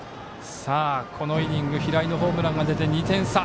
このイニング平井のホームランが出て２点差。